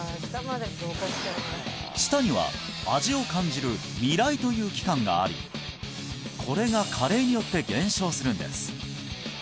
舌には味を感じる味蕾という器官がありこれが加齢によって減少するんです